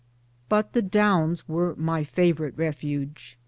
But the Downs were my favorite refuge.